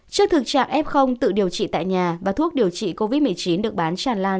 trước thực trạng f tự điều trị tại nhà và thuốc điều trị covid một mươi chín được bán tràn lan